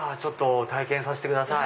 体験させてください。